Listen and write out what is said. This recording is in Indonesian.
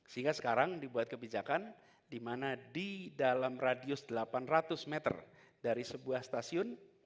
sehingga sekarang dibuat kebijakan di mana di dalam radius delapan ratus meter dari sebuah stasiun